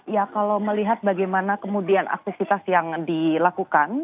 ya kalau melihat bagaimana kemudian aktivitas yang dilakukan